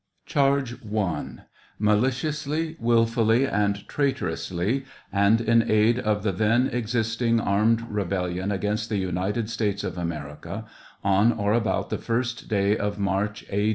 Charge I. Maliciously, wilfully, and traitorously, and in aid of the then ex isting armed rebellion against the United States of America, on or about the first day of March, A.